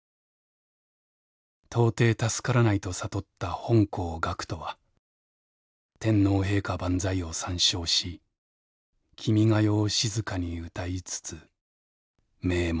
到底助からないと悟った本校学徒は天皇陛下万歳を三唱し『君が代』を静かに歌いつつめい目せり」。